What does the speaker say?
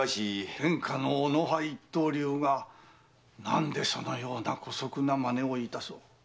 天下の小野派一刀流が何でそのような姑息な真似をいたそう。